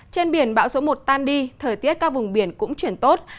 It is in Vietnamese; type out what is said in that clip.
trên biển bão số một tan đi thời tiết các vùng biển cũng chuyển tốt